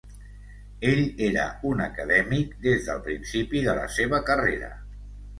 Ell era un acadèmic des del principi de la seva carrera.